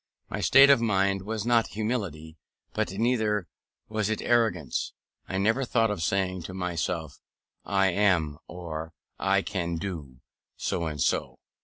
My state of mind was not humility, but neither was it arrogance. I never thought of saying to myself, I am, or I can do, so and so.